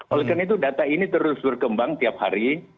oleh karena itu data ini terus berkembang tiap hari